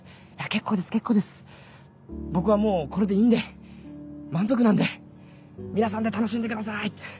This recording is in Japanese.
「結構です結構です僕はもうこれでいいんで満足なんで皆さんで楽しんでください」。